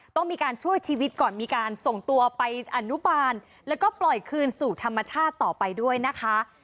ต้องมีการช่วยชีวิตก่อนมีการส่งตัวไปอนุบาลแล้วก็ปล่อยคืนสู่ธรรมชาติต่อไปด้วยนะคะ